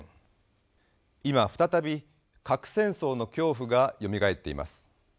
今再び核戦争の恐怖がよみがえっています。